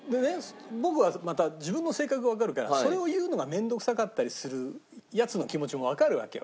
僕はまた自分の性格がわかるからそれを言うのが面倒くさかったりするヤツの気持ちもわかるわけよ。